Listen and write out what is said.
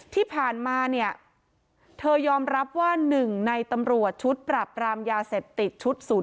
ที่ผ่านมาเนี่ยเธอยอมรับว่า๑ในตำรวจชุดปรับรามยาเสพติดชุด๐๔